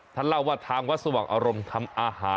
ท่านเล่าว่าทางวัดสว่างอารมณ์ทำอาหาร